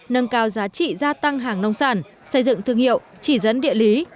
nâng cao giá trị gia tăng hàng nông sản xây dựng thương hiệu chỉ dẫn địa lý